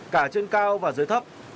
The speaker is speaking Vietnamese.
cả trên cao và dưới thấp